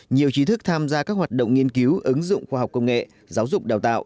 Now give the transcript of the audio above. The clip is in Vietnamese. nhiều trí thức tham gia các hoạt động nghiên cứu ứng dụng khoa học công nghệ giáo dục đào tạo